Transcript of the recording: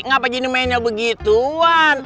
ngapain ini mainnya begituan